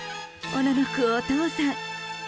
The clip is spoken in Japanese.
おののくお父さん。